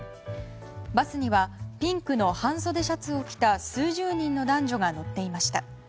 バスにはピンクの半袖シャツを着た数十人の男女が乗っていました。